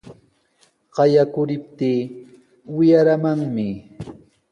Qayakuriptii wiyaramanmi.